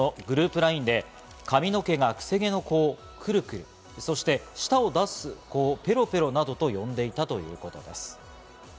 ＬＩＮＥで髪の毛がくせ毛の子をくるくる、そして舌を出す子をぺろぺろなどと呼んでいたということです。